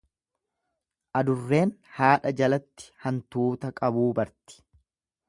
Adurreen haadha jalatti hantuuta qabuu barti.